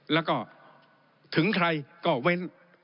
แล้วก็ถึงใครก็เว้น